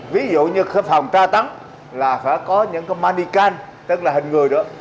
ví dụ như phòng tra tắng là phải có những cái mannequin tức là hình người đó